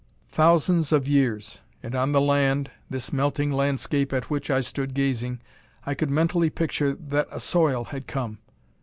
Thousands of years. And on the land this melting landscape at which I stood gazing I could mentally picture that a soil had come.